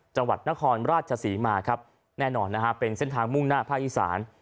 จังหวัดนครราชศรีมาครับแน่นอนนะฮะเป็นเส้นทางมุ่งหน้าภาคอีสาน